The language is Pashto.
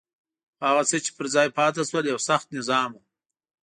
خو هغه څه چې پر ځای پاتې شول یو سخت نظام وو.